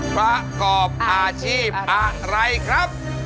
ประกอบอาชีพอะไรครับ